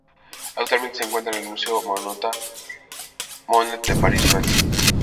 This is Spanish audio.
Actualmente se encuentra en el Museo Marmottan-Monet de París, Francia.